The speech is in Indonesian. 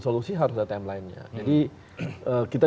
solusi harus ada timelinenya jadi kita